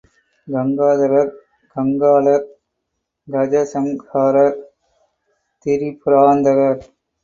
Gangadharar, Kangalar, Gajasamharar, Tripurantaka.